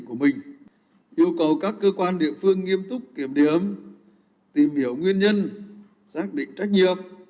thủ tướng yêu cầu các bộ cơ quan địa phương này cần nghiêm túc kiểm điểm làm rõ nguyên nhân xác định trách nhiệm